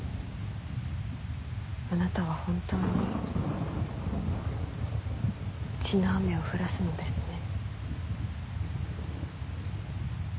あなたは本当に血の雨を降らすのですね。